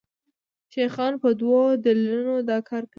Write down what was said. شیخان په دوو دلیلونو دا کار کوي.